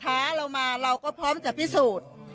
ท้าเรามาเราก็พร้อมจะพิสูจน์